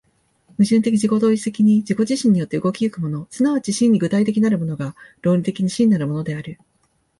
矛盾的自己同一的に自己自身によって動き行くもの、即ち真に具体的なるものが、論理的に真なるものである。